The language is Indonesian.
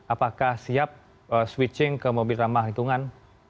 apakah siap switching ke mobil ramah hitungan